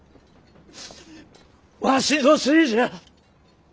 わしのせいじゃ！